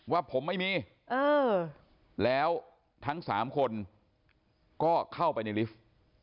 ว่าผมไม่มีแล้วทั้ง๓คนก็เข้าไปในลิฟต์